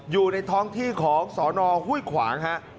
อยู่ในท้องที่ของสอนอฮุ้ยขวาง